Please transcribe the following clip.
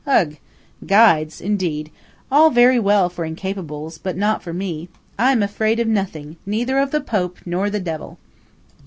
Ugh! guides, indeed! All very well for incapables, but not for me. I am afraid of nothing–neither of the Pope nor the Devil!"